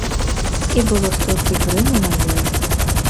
І было столькі грыму на ёй!